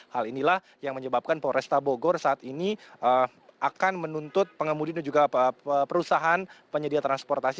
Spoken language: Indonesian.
hal inilah yang menyebabkan polresta bogor saat ini akan menuntut pengemudi dan juga perusahaan penyedia transportasi